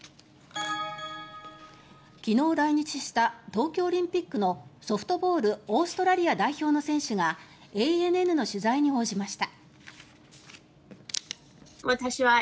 昨日来日した東京オリンピックのソフトボールオーストラリア代表の選手がＡＮＮの取材に応じました。